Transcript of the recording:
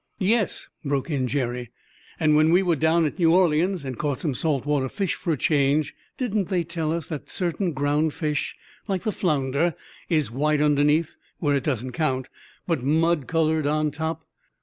"Yes," broke in Jerry, "and when we were down at New Orleans and caught some saltwater fish for a change, didn't they tell us that certain ground fish like the flounder is white underneath, where it doesn't count, but mud colored on top?